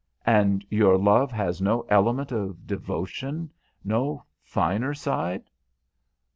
"And your love has no element of devotion, no finer side?"